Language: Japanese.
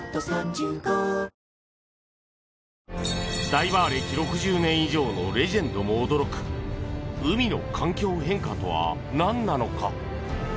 ダイバー歴６０年以上のレジェンドも驚く海の環境変化とはなんなのか？